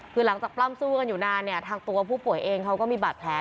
คือหลังจากปล้ำสู้กันอยู่นานเนี่ยทางตัวผู้ป่วยเองเขาก็มีบาดแผล